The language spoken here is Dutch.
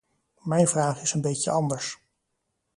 Mijn vraag is een beetje anders.